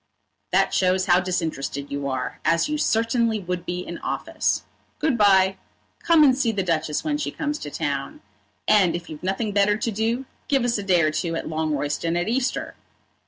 "That shows how disinterested you are, as you certainly would be in office. Good bye. Come and see the Duchess when she comes to town. And if you've nothing better to do, give us a day or two at Longroyston at Easter."